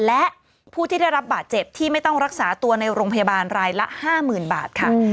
และผู้ที่ได้รับบาดเจ็บที่ไม่ต้องรักษาตัวในโรงพยาบาลรายละ๕๐๐๐บาทค่ะ